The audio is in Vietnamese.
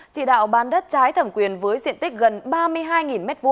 chỉ đạo bán đất trái thẩm quyền với diện tích gần ba mươi hai m hai